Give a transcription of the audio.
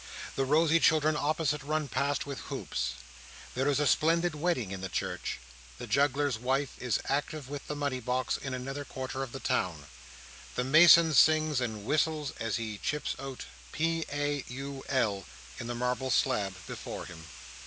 The rosy children opposite run past with hoops. There is a splendid wedding in the church. The juggler's wife is active with the money box in another quarter of the town. The mason sings and whistles as he chips out P A U L in the marble slab before him.